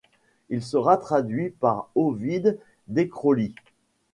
Il sera traduit par Ovide Decroly.